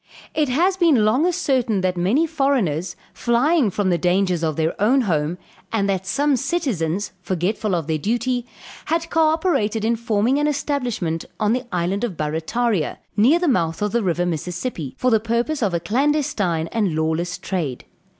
"It had been long ascertained that many foreigners, flying from the dangers of their own home, and that some citizens, forgetful of their duty, had co operated in forming an establishment on the island of Barrataria, near the mouth of the river Mississippi, for the purpose of a clandestine and lawless trade.